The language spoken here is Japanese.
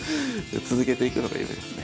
続けていくのが夢ですね。